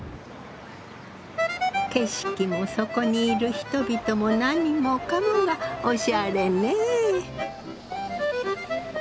景色もそこにいる人々も何もかもがオシャレね。